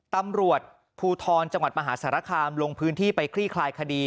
ตำรวจภูทรจังหวัดมหาสารคามลงพื้นที่ไปคลี่คลายคดี